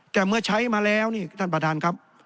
แต่เมื่อใช้มาแล้วนี่ท่านประธานครับ